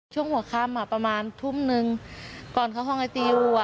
ช่วงหัวค่ำอ่ะประมาณทุ่มนึงก่อนเข้าห้องไอซียูอ่ะ